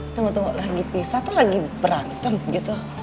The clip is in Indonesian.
tunggu tunggu lagi pisah tuh lagi berantem gitu